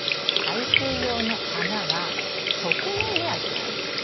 排水用の穴は側面に開けます。